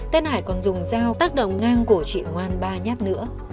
tên hải còn dùng dao tác động ngang của chị ngoan ba nhát nữa